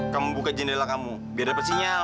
kamu buka jendela kamu biar dapat sinyal